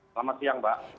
selamat siang mbak